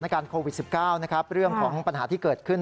ในการโควิด๑๙เรื่องของปัญหาที่เกิดขึ้น